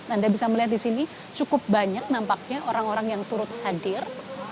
anda bisa melihat di sini cukup banyak nampaknya orang orang yang turut hadir